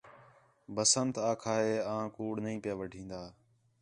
بسنت آکھا ہِے آں کُوڑ نہیں پِیا وڈھین٘دا